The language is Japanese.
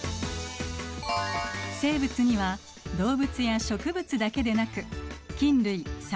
生物には動物や植物だけでなく菌類細菌類などがいます。